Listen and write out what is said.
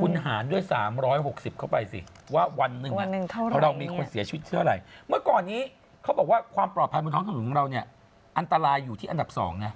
คุณหารด้วย๓๖๐เข้าไปสิว่าวันหนึ่งเรามีคนเสียชีวิตชื่ออะไรเมื่อก่อนนี้เขาบอกว่าความปลอดภัยบนท้องถนนของเราเนี่ยอันตรายอยู่ที่อันดับ๒ไง